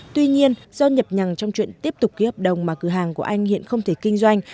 tuy nhiên do nhập nhằng trong chuyện tiếp tục ký hợp đồng mà cửa hàng của anh hiện không thể kinh doanh